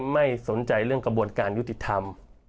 ไม่สนใจเรื่องกระบวนการยุติธรรม